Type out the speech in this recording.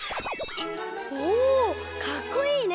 おおかっこいいね！